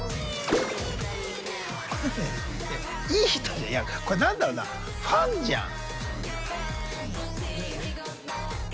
いい人いやこれ何だろうなファンじゃん。